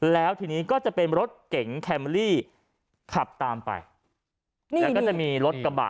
แล้วทีนี้ก็จะเป็นรถเก๋งแคมอรี่ขับตามไปแล้วก็จะมีรถกระบะ